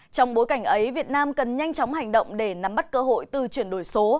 trong bối cảnh ấy việt nam cần nhanh chóng hành động để nắm bắt cơ hội từ chuyển đổi số